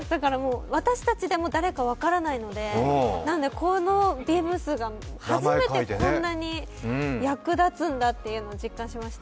私たちでも誰か分からないので、このビブスが初めてこんなに役立つんだというのを実感しました。